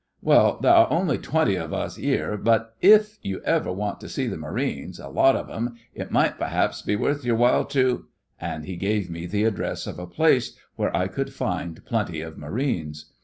Well, there are only twenty of us 'ere, but if you ever want to see the Marines, a lot of 'em, it might perhaps be worth your while to'—and he gave me the address of a place where I would find plenty of Marines.